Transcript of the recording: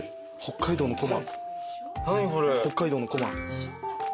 北海道のコマ。